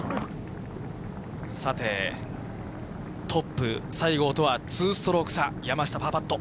さて、トップ、西郷とは２ストローク差、山下、パーパット。